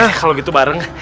iya kalau gitu bareng